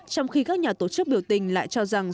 trong khi các nhà tổ chức biểu tình lại cho rằng